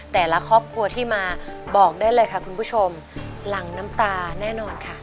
แต่ละครอบครัวที่มาบอกได้เลยค่ะคุณผู้ชมหลังน้ำตาแน่นอนค่ะ